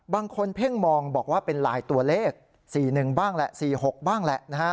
บางคนเพ่งมองบอกว่าเป็นลายตัวเลข๔๑บ้างแหละ๔๖บ้างแหละนะฮะ